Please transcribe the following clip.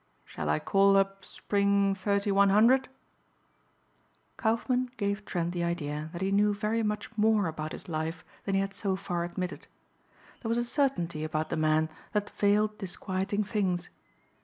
Shall I call up Spring 3100?" Kaufmann gave Trent the idea that he knew very much more about his life than he had so far admitted. There was a certainty about the man that veiled disquieting things.